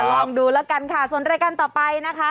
ลองดูแล้วกันค่ะส่วนรายการต่อไปนะคะ